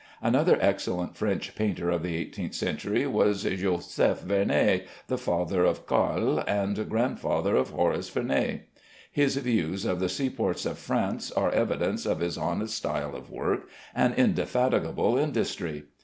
Another excellent French painter of the eighteenth century was Joseph Vernet, the father of Carle and grandfather of Horace Vernet. His views of the seaports of France are evidence of his honest style of work and indefatigable industry.